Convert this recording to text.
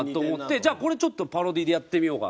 じゃあこれちょっとパロディでやってみようかっつって。